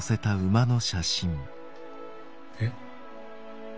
えっ。